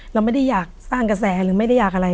เราไม่ได้อยากสร้างกระแสหรือไม่ได้อยากอะไร